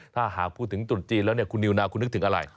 ถ้าหากพูดถึงตรุษจีนแล้วเนี่ยคุณนิวนาวคุณนึกถึงอะไร